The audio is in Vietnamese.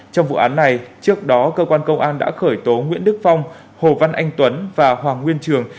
trong vụ án này trước đó cơ quan công an đã khởi tố nguyễn đức phong hồ văn anh tuấn và hoàng nguyên trường